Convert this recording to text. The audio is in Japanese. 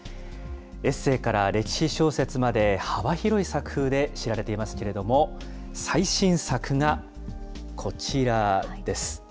エッセイから歴史小説まで幅広い作風で知られていますけれども、最新作がこちらです。